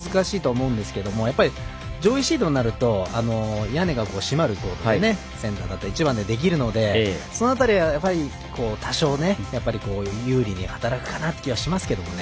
この天候の悪い中でなかなか難しいとは思うんですけれども上位シードになると屋根が閉まるコート１番でできるので、その辺りは多少、有利に働くかなという気はしますけどね。